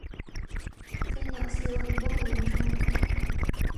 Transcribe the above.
飞鸟寺有很多个名称。